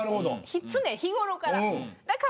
常日頃から。